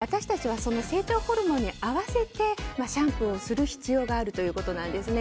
ですから、私たちはその成長ホルモンに合わせてシャンプーをする必要があるということなんです。